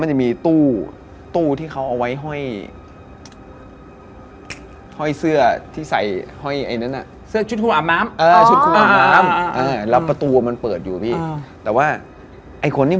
เออถือมือที่